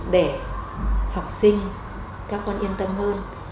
để học sinh các con yên tâm hơn